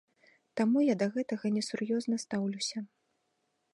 Таму я да гэтага несур'ёзна стаўлюся.